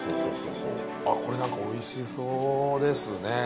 ほうあっこれなんかおいしそうですね